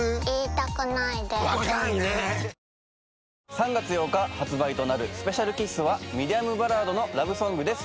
３月８日発売となる『ＳｐｅｃｉａｌＫｉｓｓ』はミディアムバラードのラブソングです。